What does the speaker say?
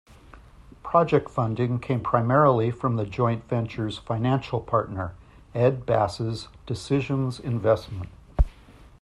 Project funding came primarily from the joint venture's financial partner, Ed Bass's Decisions Investment.